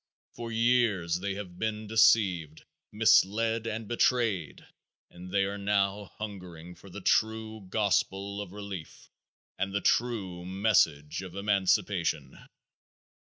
For years they have been deceived, misled and betrayed, and they are now hungering for the true gospel of relief and the true message of emancipation.